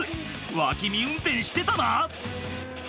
脇見運転してたな？